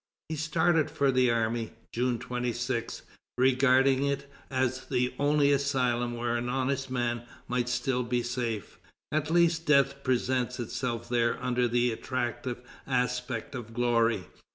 He started for the army, June 26, regarding it as "the only asylum where an honest man might still be safe. At least, death presents itself there under the attractive aspect of glory."